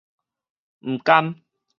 毋甘